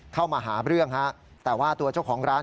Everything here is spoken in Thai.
เข้ามาหาเรื่องฮะแต่ว่าตัวเจ้าของร้าน